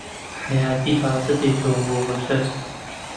حەیاتی تازە دێتۆ بۆ بەشەر